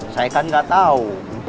saya kan gak tau